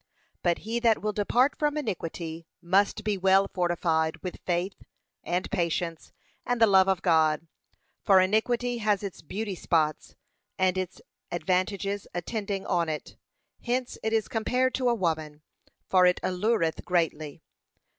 But he that will depart from iniquity must be well fortified with faith, and patience, and the love of God; for iniquity has its beauty spots and its advantages attending on it; hence it is compared to a woman, for it allureth greatly.